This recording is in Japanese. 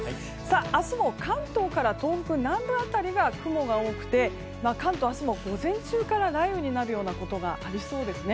明日も関東から東北南部辺りが雲が多くて関東明日も午前中から雷雨になることがありそうです。